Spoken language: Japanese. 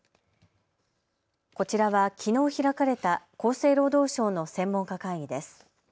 こちらはきのう開かれた厚生労働省の専門家会議です。